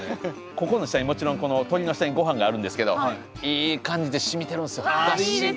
ここの下にもちろんこの鶏の下にごはんがあるんですけどいい感じでしみてるんですよだしが。